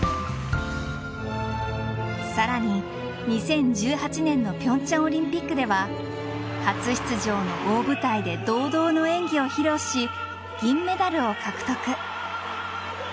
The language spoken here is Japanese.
さらに、２０１８年の平昌オリンピックでは初出場の大舞台で堂々の演技を披露し銀メダルを獲得。